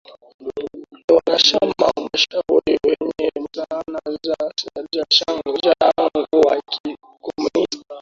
Ni wanachama mashuhuri wenye siasa za mrengo wa kikomunisti